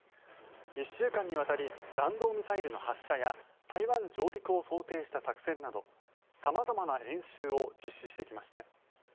１週間にわたり弾道ミサイルの発射や台湾上陸を想定した作戦など様々な演習を実施してきました。